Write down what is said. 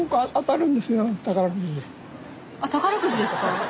あっ宝くじですか？